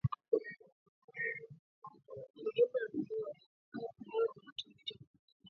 Mjumbe mpya anatoa wito wa kurekebishwa kikosi hicho